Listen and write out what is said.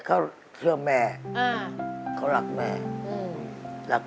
ไม่เคยเจอว่าจะขัดใจ